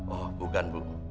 oh bukan bu